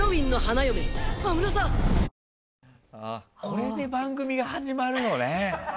これで番組が始まるのね。